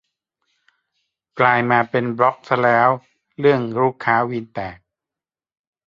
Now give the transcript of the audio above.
กลายมาเป็นบล็อกซะแล้ว~ เรื่องลูกค้าวีนแตก